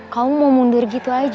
kamu mau mundur gitu aja